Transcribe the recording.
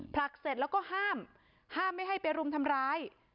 ผลักเสร็จแล้วก็ห้ามห้ามไม่ให้ไปรุมทำร้าย